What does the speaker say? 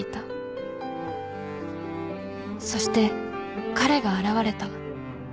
「そして彼が現れた」